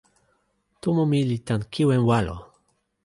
tomo mi li tan kiwen walo.